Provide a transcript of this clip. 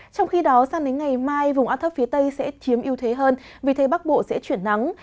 trong khi đó sang đến ngày mai vùng áp thấp phía tây sẽ chiếm ưu thế hơn vì thế bắc bộ sẽ chuyển nắng